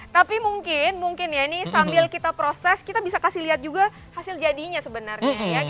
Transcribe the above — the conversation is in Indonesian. tapi mungkin mungkin ya ini sambil kita proses kita bisa kasih lihat juga hasil jadinya sebenarnya ya